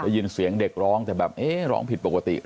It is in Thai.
ได้ยินเสียงเด็กร้องแต่แบบเอ๊ะร้องผิดปกติ